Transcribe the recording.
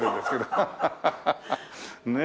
アハハハねえ。